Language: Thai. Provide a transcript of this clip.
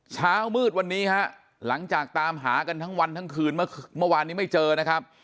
เช้ามืดวันนี้ฮะหลังจากตามหากันทั้งวันทั้งคืนเมื่อวานนี้ไม่เจอนะครับ